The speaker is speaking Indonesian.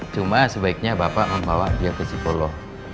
cuma sebaiknya bapak membawa dia ke psikolog